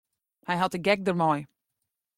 Hy hat de gek dermei.